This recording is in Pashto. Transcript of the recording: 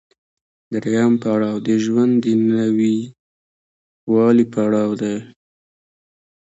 درېیم پړاو د ژوند د نويوالي پړاو دی